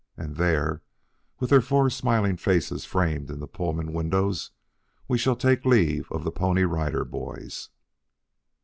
And there, with their four smiling faces framed in the Pullman windows, we shall take leave of the Pony Rider Boys.